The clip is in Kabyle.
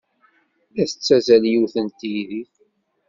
La tettazzal yiwet n teydit.